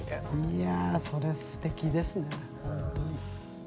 いやそれすてきですね。